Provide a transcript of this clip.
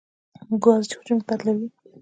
ګاز حجم بدلوي.